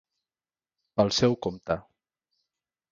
Pel seu compte.